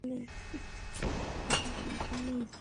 একা, বড় কেউ নেই।